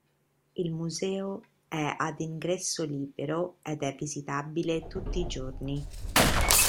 Il museo è ad ingresso libero ed è visitabile tutti i giorni.